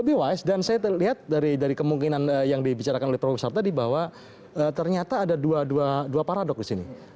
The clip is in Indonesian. lebih wise dan saya lihat dari kemungkinan yang dibicarakan oleh prof tadi bahwa ternyata ada dua paradok di sini